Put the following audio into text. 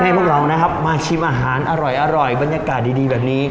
ให้พวกเรานะครับมาชิมอาหารอร่อยบรรยากาศดีแบบนี้